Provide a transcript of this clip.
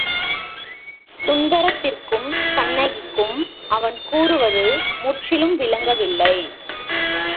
சுந்தரத்திற்கும் கண்ணகிக்கும் அவன் கூறுவது முற்றிலும் விளங்கவில்லை.